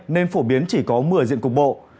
nên phổ biến chỉ có mưa diện cục bộ